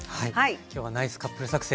今日は「ナイスカップル作戦！」